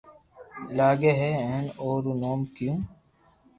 لاگي ھي ھين او رو نوم ڪيو